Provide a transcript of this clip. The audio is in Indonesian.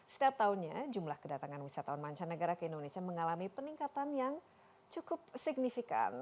setiap tahunnya jumlah kedatangan wisatawan mancanegara ke indonesia mengalami peningkatan yang cukup signifikan